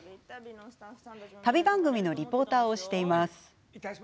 旅番組のリポーターをしています。